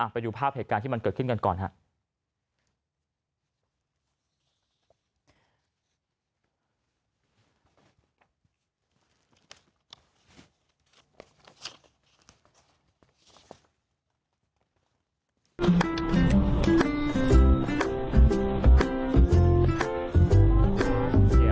ไปดูภาพเหตุการณ์ที่มันเกิดขึ้นกันก่อนครับ